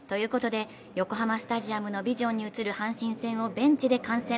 横浜スタジアムのビジョンに映る阪神戦をベンチで観戦。